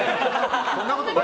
そんなことない。